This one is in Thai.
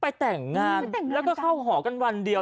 ไปแต่งงานแล้วก็เข้าหอกันวันเดียว